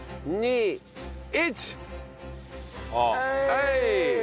はい！